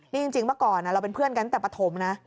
นี่จริงเมื่อก่อนเราเป็นเพื่อนกันตั้งแต่ปฐมนะ